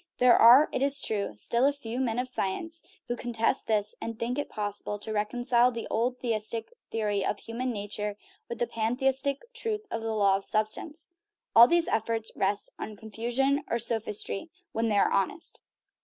There are, it is true, still a few men of science who contest this, and think it possible to reconcile the old theistic theory of human nature with the pantheistic truth of the law of sub stance. All these efforts rest on confusion or sophistry when they are honest.